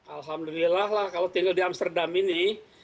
alhamdulillah lah kalau tinggal di amsterdam ini